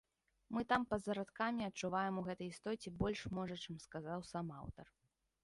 Мы там па-за радкамі адчуваем у гэтай істоце больш можа, чым сказаў сам аўтар.